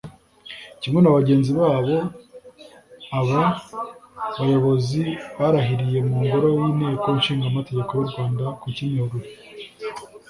Kimwe na bagenzi babo aba bayobozi barahiriye mu ngoro y’inteko ishinga amategeko y’ u Rwanda ku Kimihurura